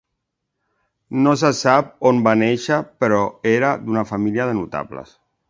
No se sap on va néixer però era d'una família de notables.